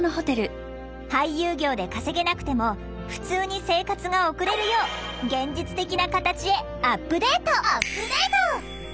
俳優業で稼げなくてもふつうに生活が送れるよう現実的な形へアップデート！